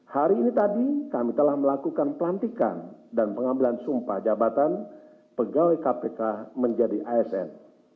hari ini tadi kami telah melakukan pelantikan dan pengambilan sumpah jabatan pegawai kpk menjadi asn